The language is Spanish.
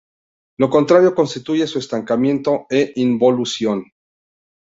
Lo contrario, constituye su estancamiento e involución.